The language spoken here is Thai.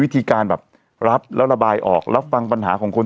วิธีการแบบรับแล้วระบายออกรับฟังปัญหาของคน